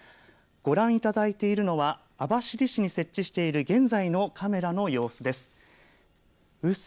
ご覧いただいているのは網走市に設置している現在のカメラの様子です。